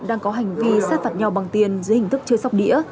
đang có hành vi sát phạt nhau bằng tiền dưới hình thức chơi sóc đĩa